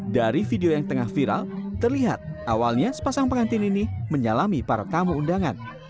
dari video yang tengah viral terlihat awalnya sepasang pengantin ini menyalami para tamu undangan